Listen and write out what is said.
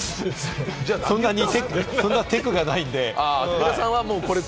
そんなテクがないんで。